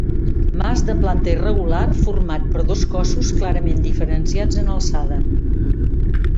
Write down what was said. Mas de planta irregular format per dos cossos clarament diferenciats en alçada.